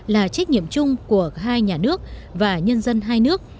là trách nhiệm chung của hai nhà nước và nhân dân hai nước